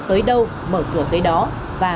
tới đâu mở cửa tới đó và